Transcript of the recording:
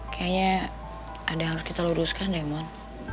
kayaknya ada yang harus kita luruskan deh mon